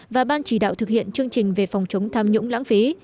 và ban chỉ đạo thực hiện chương trình về phòng chống tham nhũng lãng phí